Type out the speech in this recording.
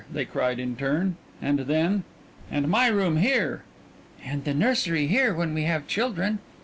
they cried in turn. And then: "And my room here!" "And the nursery here when we have children."